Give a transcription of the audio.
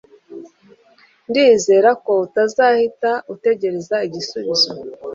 Ndizera ko utazahita utegereza ibisubizo